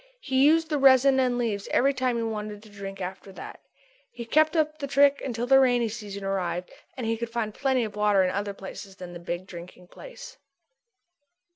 He used the resin and leaves every time he wanted a drink after that. He kept up the trick until the rainy season arrived and he could find plenty of water in other places than the big drinking place.